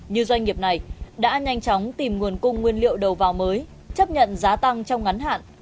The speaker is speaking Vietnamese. như doanh nghiệp này đã nhanh chóng tìm nguồn cung nguyên liệu đầu vào mới chấp nhận giá tăng trong ngắn hạn